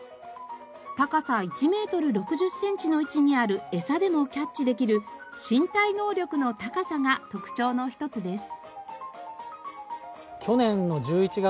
高さ１メートル６０センチの位置にあるエサでもキャッチできる身体能力の高さが特徴の一つです。